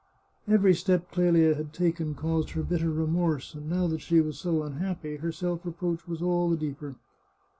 Every step Clelia had taken caused her bitter remorse, and now that she was so unhappy, her self reproach was all the deeper.